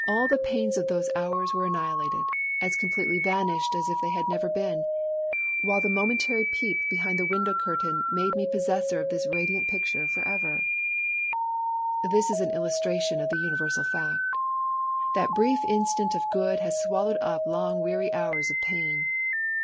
The pains of all those hours were annihilated— as completely vanished as if they had GOOD AND EVIL. 7 never been; while the momentary peep behind the window ctETtain tnade me possessor of this radiant picture for evermore. This is an illus tration of the tufdversal fact. That brief instant of good has swallowed up long weary hours of pain.